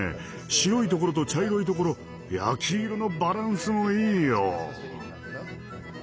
白いところと茶色いところ焼き色のバランスもいいよ。